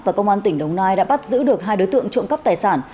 và công an tỉnh đồng nai đã bắt giữ được hai đối tượng trộm cắp tài sản